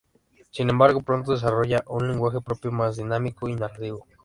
Sin embargo, pronto desarrollará un lenguaje propio, más dinámico y narrativo.